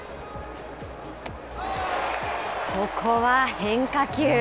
ここは変化球。